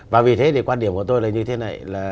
và vì thế thì quan điểm của tôi là như thế này là